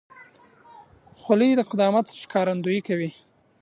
خولۍ د قدامت ښکارندویي کوي.